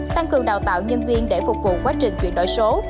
tăng cường đào tạo nhân viên để phục vụ quá trình chuyển đổi số